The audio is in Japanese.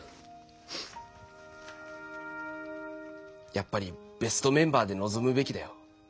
やっぱりベストメンバーでのぞむべきだよ。